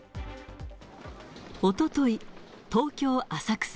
おととい、東京・浅草。